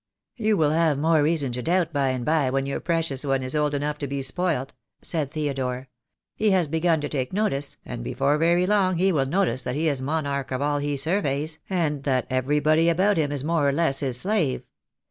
"You will have more reason to doubt by and by when your precious one is old enough to be spoilt," said Theodore. "He has begun to take notice, and before very long he will notice that he is monarch of all he surveys, and that everybody about him is more or less his slave.